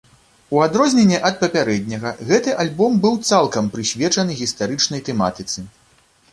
У адрозненне ад папярэдняга гэты альбом быў цалкам прысвечаны гістарычнай тэматыцы.